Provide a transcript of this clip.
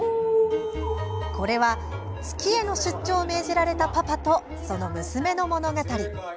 これは月への出張を命じられたパパとその娘の物語。